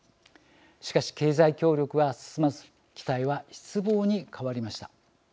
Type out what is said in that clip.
しかし、経済協力は進まず期待は失望に変わりました。